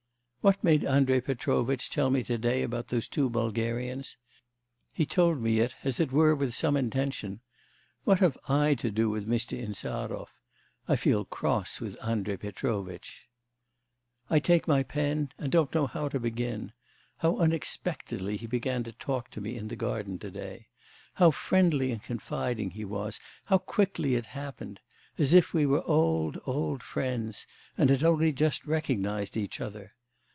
'... What made Andrei Petrovitch tell me to day about those two Bulgarians! He told me it as it were with some intention. What have I to do with Mr. Insarov? I feel cross with Andrei Petrovitch. '... I take my pen and don't know how to begin. How unexpectedly he began to talk to me in the garden to day! How friendly and confiding he was! How quickly it happened! As if we were old, old friends and had only just recognised each other.